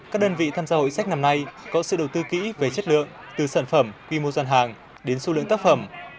các đơn vị tham gia hội sách năm nay có sự đầu tư kỹ về chất lượng từ sản phẩm quy mô dân hàng đến số lượng tác phẩm